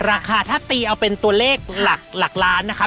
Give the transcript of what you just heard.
ราคาถ้าตีเอาเป็นตัวเลขหลักล้านนะคะ